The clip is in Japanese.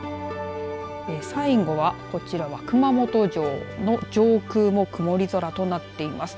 最後は、こちらは熊本城の上空も曇り空となっています。